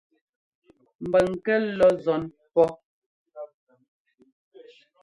Mbʉng kɛ́ lɔ́ nzɔ́n pɔ́.